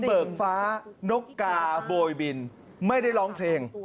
เบิกฟ้านกกาโบยบินไม่ได้ร้องเพลง